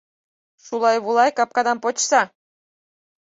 Шулай-вулай, капкадам почса!